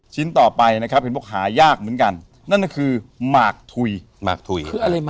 ชิ้นต่อไปยากเยาะกันคือหมากถุย